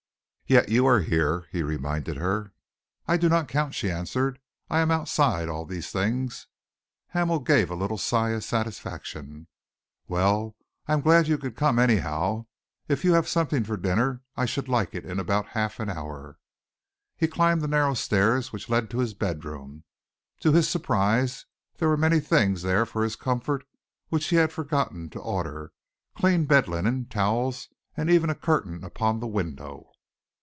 "Yet you are here," he reminded her. "I do not count," she answered. "I am outside all these things." Hamel gave a little sigh of satisfaction. "Well, I am glad you could come, anyhow. If you have something for dinner, I should like it in about half an hour." He climbed the narrow stairs which led to his bedroom. To his surprise, there were many things there for his comfort which he had forgotten to order clean bed linen, towels, even a curtain upon the window.